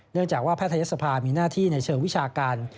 เนื่องจากว่าแพทยศภามีหน้าที่ในเชิงวิชาการ